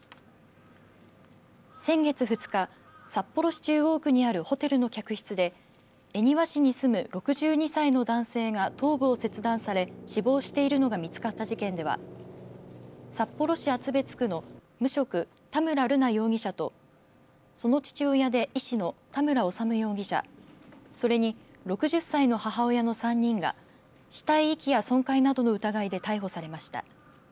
先月２日、札幌市中央区にあるホテルの客室で恵庭市に住む６２歳の男性が頭部を切断され死亡しているのが見つかった事件では札幌市厚別区の無職、田村瑠奈容疑者とその父親で医師の田村修容疑者それに６０歳の母親の３人が死体遺棄や損壊などの疑いで逮捕されました。